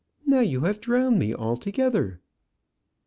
"Now you have drowned me altogether."